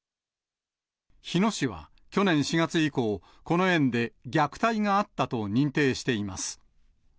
日野市は、去年４月以降、この園で虐待があったと認定しています。